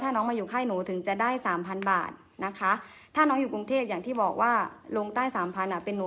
ถ้าน้องมาอยู่ไข้หนูถึงจะได้๓๐๐๐บาทนะคะถ้าน้องอยู่กรุงเทศอย่างที่บอกว่าลงได้๓๐๐๐บาทเป็นหนู